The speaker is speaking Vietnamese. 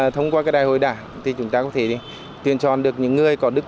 thông qua cái đại hội đảng thì chúng ta có thể tuyên tròn được những người có đức